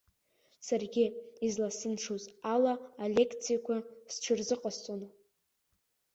Саргьы изласылшоз ала алекциақәа сҽырзыҟасҵон.